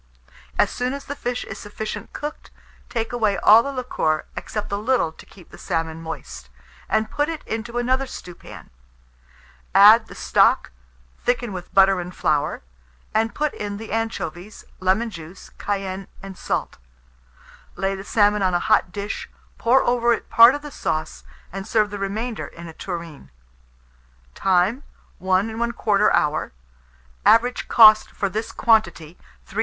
As soon as the fish is sufficiently cooked, take away all the liquor, except a little to keep the salmon moist, and put it into another stewpan; add the stock, thicken with butter and flour, and put in the anchovies, lemon juice, cayenne, and salt; lay the salmon on a hot dish, pour over it part of the sauce, and serve the remainder in a tureen. Time. 1 1/4 hour. Average cost for this quantity, 3s.